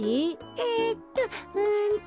えっとうんと。